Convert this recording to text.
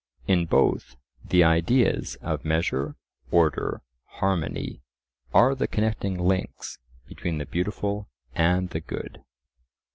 In both the ideas of measure, order, harmony, are the connecting links between the beautiful and the good.